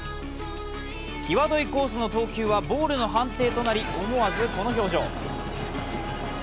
きわどいコースの投球はボールの判定となり思わず、この表情。